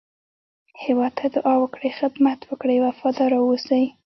هېواد ته دعا وکړئ، خدمت وکړئ، وفاداره واوسی